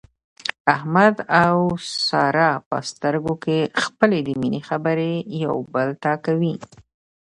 احمد او ساره په سترګو کې خپلې د مینې خبرې یو بل ته کوي.